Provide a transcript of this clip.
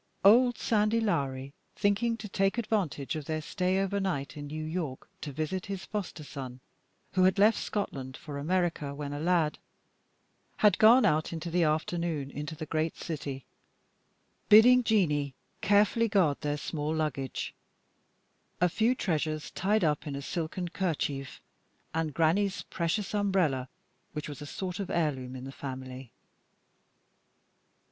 Old Sandy Lowrie, thinking to take advantage of their stay overnight in New York to visit his foster son, who had left Scotland for America when a lad, had gone out in the afternoon into the great city, bidding Jeanie carefully guard their small luggage a few treasures tied up in a silken kerchief, and Granny's precious umbrella, which was a sort of heirloom in the family.